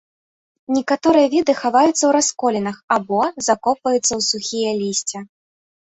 Некаторыя віды хаваюцца ў расколінах або закопваюцца ў сухія лісце.